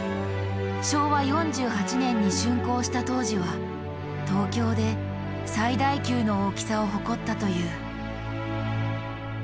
昭和４８年に竣工した当時は東京で最大級の大きさを誇ったという。